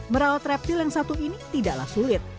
merawat reptil yang satu ini tidaklah sulit